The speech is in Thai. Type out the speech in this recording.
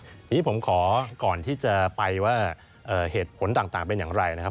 ทีนี้ผมขอก่อนที่จะไปว่าเหตุผลต่างเป็นอย่างไรนะครับ